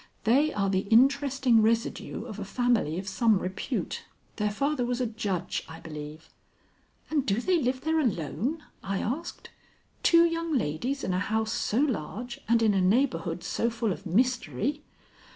They are the interesting residue of a family of some repute. Their father was a judge, I believe." "And do they live there alone," I asked, "two young ladies in a house so large and in a neighborhood so full of mystery?"